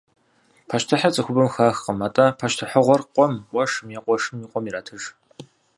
Пащтыхьыр цӏыхубэм хахкъым, атӏэ пащтыхьыгъуэр къуэм, къуэшым е къуэшым и къуэм иратыж.